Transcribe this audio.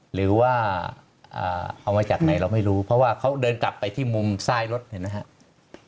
หรือว่าเอามาจากไหนเราไม่รู้เพราะว่าเขาเดินกลับไปที่มุมซ้ายรถเห็นไหมครับ